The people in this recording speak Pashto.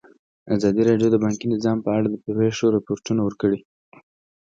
ازادي راډیو د بانکي نظام په اړه د پېښو رپوټونه ورکړي.